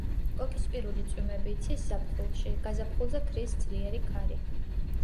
კოკისპირული წვიმები იცის ზაფხულში, გაზაფხულზე ქრის ძლიერი ქარი.